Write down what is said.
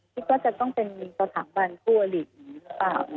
คิดว่าจะต้องเป็นสถาบันผู้อลีกหรือเปล่า